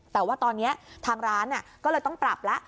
แต่ว่าตอนนี้ทางร้านก็เลยต้องปรับแล้ว